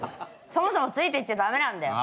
そもそもついていっちゃ駄目なんだよ。